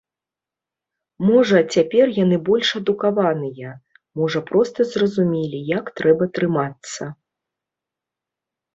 Можа, цяпер яны больш адукаваныя, можа проста зразумелі, як трэба трымацца.